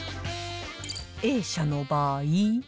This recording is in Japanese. Ａ社の場合。